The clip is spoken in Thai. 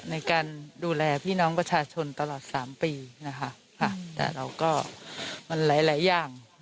ในการดูแลพี่น้องประชาชนตลอดสามปีนะคะค่ะแต่เราก็มันหลายหลายอย่าง